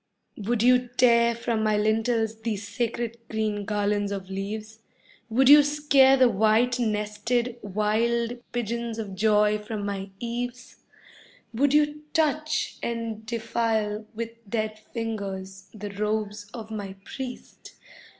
Would you tear from my lintels these sacred green garlands of leaves? Would you scare the white, nested, wild pigeons of joy from my eaves? Would you touch and defile with dead fingers the robes of my priest?